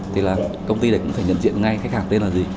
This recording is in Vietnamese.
thì công ty cũng có thể nhận diện ngay khách hàng tên là gì